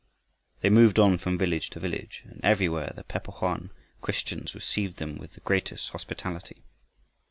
They moved on from village to village and everywhere the Pe po hoan Christians received them with the greatest hospitality.